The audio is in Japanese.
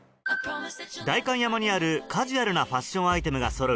代官山にあるカジュアルなファッションアイテムがそろう